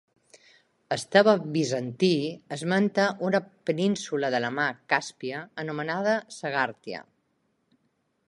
Esteve Bizantí esmenta una península de la mar Càspia anomenada Sagàrtia.